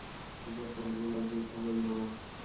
সুজা কহিলেন, আর যুদ্ধ করিব না।